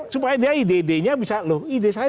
supaya dia ide idenya bisa loh